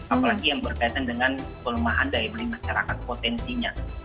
apalagi yang berkaitan dengan pelemahan daya beli masyarakat potensinya